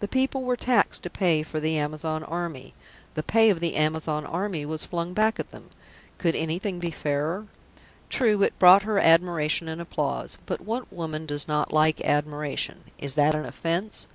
The people were taxed to pay for the Amazon Army; the pay of the Amazon Army was flung back at them; could anything be fairer? True, it brought her admiration and applause. But what woman does not like admiration? Is that an offence?